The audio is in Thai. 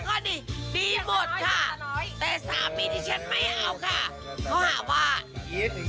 กับเบี้ยอันน้อง